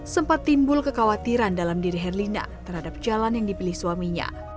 sempat timbul kekhawatiran dalam diri herlina terhadap jalan yang dipilih suaminya